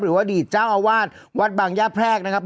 อดีตเจ้าอาวาสวัดบางย่าแพรกนะครับ